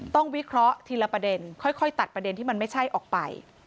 วิเคราะห์ทีละประเด็นค่อยตัดประเด็นที่มันไม่ใช่ออกไป